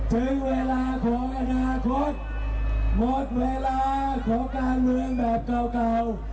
หมดเวลาของการเมืองแบบเก่า